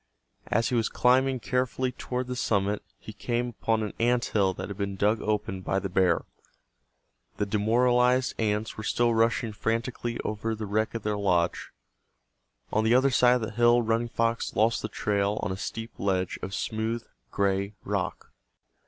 As he was climbing carefully toward the summit he came upon an ant hill that had been dug open by the bear. The demoralized ants were still rushing frantically over the wreck of their lodge. On the other side of the hill Running Fox lost the trail on a steep ledge of smooth gray rock.